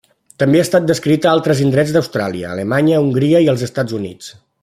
També ha estat descrita a altres indrets d'Austràlia, Alemanya, Hongria i els Estats Units.